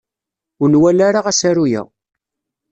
Ur nwala ara asaru-a.